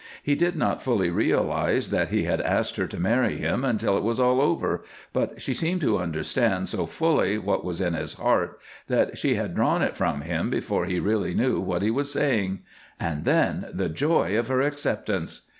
He did not fully realize that he had asked her to marry him until it was all over, but she seemed to understand so fully what was in his heart that she had drawn it from him before he really knew what he was saying. And then the joy of her acceptance!